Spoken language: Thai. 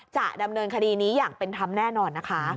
จะดำเนินคดีนี้อย่างเป็นธรรมแน่นอนนะคะ